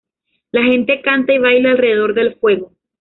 La gente canta y baila alrededor del fuego.